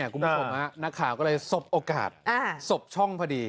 คุณผู้ชมนักข่าวก็เลยสบโอกาสสบช่องพอดี